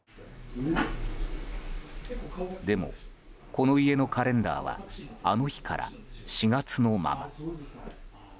でも、この家のカレンダーはあの日から４月のまま。